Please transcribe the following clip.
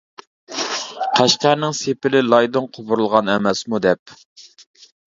قەشقەرنىڭ سېپىلى لايدىن قوپۇرۇلغان ئەمەسمۇ دەپ.